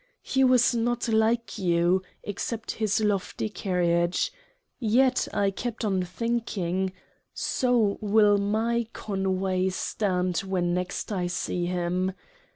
He was not like you, except his lofty carriage Yet I kept on thinking — so will my Conway stand when next I see him.